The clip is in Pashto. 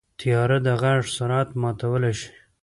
طیاره د غږ سرعت ماتولی شي.